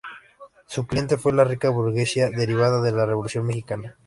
Su clientela fue la rica burguesía derivada de la Revolución mexicana.